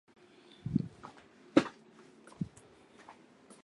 参赛球队为拉脱维亚超级足球联赛冠军和拉脱维亚杯冠军。